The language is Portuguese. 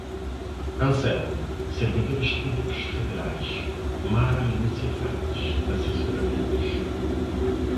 Anselmo, servidores públicos federais, Mara Luzia Feltes, assessoramentos